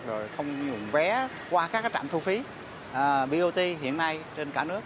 rồi không nguồn vé qua các trạm thu phí bot hiện nay trên cả nước